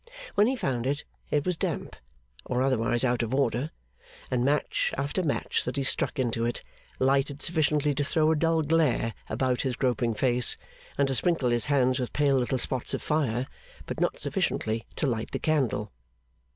When he found it, it was damp, or otherwise out of order; and match after match that he struck into it lighted sufficiently to throw a dull glare about his groping face, and to sprinkle his hands with pale little spots of fire, but not sufficiently to light the candle.